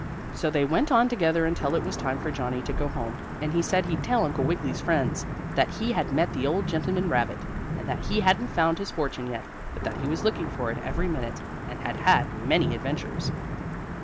So they went on together until it was time for Johnnie to go home, and he said he'd tell Uncle Wiggily's friends that he had met the old gentleman rabbit, and that he hadn't found his fortune yet, but that he was looking for it every minute, and had had many adventures.